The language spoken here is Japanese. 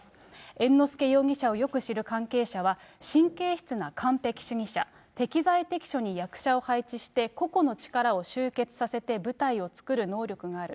猿之助容疑者をよく知る関係者は、神経質な完璧主義者、適材適所に役者を配置して個々の力を集結させて舞台を作る能力がある。